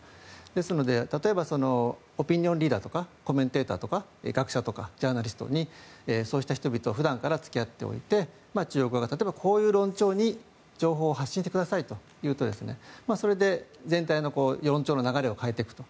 ですので例えば、オピニオンリーダーとかコメンテーターとか学生ジャーナリストそういう人々普段から付き合っておいて中国側が、こういう論調に情報を発信してくださいというとそれで全体の論調の流れを変えていくと。